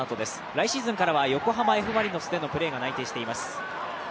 来シーズンからは横浜Ｆ・マリノスでのプレーが確定しています。